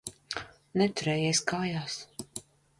Neturējies kājās.